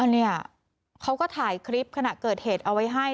เนี่ยเขาก็ถ่ายคลิปขณะเกิดเหตุเอาไว้ให้